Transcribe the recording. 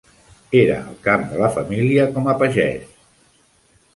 Era el cap de la família com a pagès.